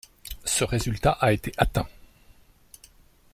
Ce résultat a été atteint.